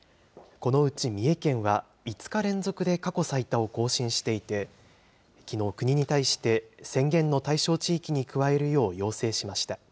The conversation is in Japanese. このうち三重県は、５日連続で過去最多を更新していて、きのう、国に対して宣言の対象地域に加えるよう要請しました。